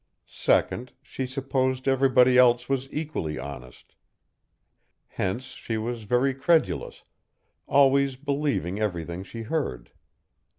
Second, she supposed everybody else was equally honest; hence she was very credulous, always believing everything she heard.